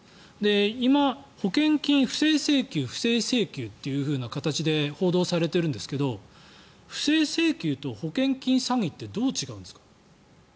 今、保険金不正請求という形で報道されてるんですけど不正請求と保険金詐欺ってどう違うんですか。